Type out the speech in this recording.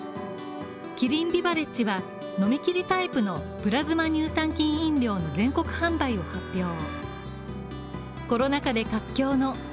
キリンビバレッジは飲みきりタイプのプラズマ乳酸菌飲料の全国販売を発表。